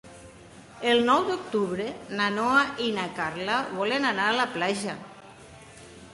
El nou d'octubre na Noa i na Carla volen anar a la platja.